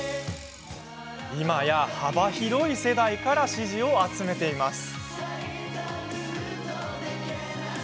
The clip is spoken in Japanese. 今や幅広い世代から支持を集めています。